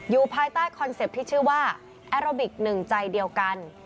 ภายใต้คอนเซ็ปต์ที่ชื่อว่าแอโรบิกหนึ่งใจเดียวกัน